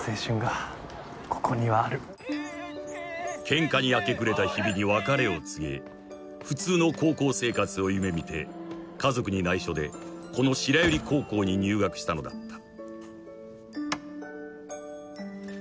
［ケンカに明け暮れた日々に別れを告げ普通の高校生活を夢見て家族に内緒でこの白百合高校に入学したのだった］